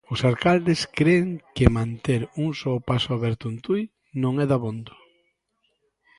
Os alcaldes cren que manter un só paso aberto en Tui non é dabondo.